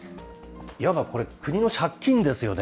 いわばこれ、国の借金ですよね。